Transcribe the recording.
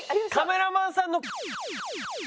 カメラマンさんの。